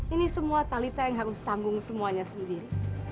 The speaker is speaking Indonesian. ini semua talita yang harus tanggung semuanya sendiri